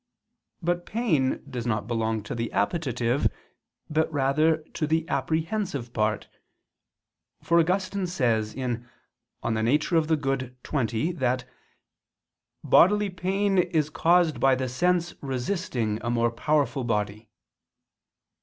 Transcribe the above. But pain does not belong to the appetitive, but rather to the apprehensive part: for Augustine says (De Nat. Boni xx) that "bodily pain is caused by the sense resisting a more powerful body."